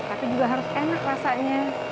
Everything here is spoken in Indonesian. tapi juga harus enak rasanya